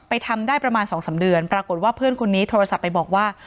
ทำได้ประมาณ๒๓เดือนปรากฏว่าเพื่อนคนนี้โทรศัพท์ไปบอกว่า